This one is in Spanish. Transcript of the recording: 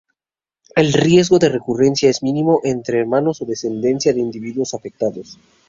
El riesgo de recurrencia es mínimo entre hermanos o descendencia de individuos afectados.